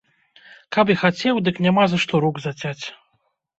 Каб і хацеў, дык няма за што рук зацяць.